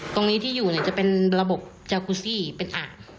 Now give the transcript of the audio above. ตรงนี้ที่อยู่จะเป็นระบบจากุชชี่เป็นอ่าง